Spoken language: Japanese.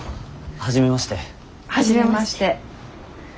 はじめまして。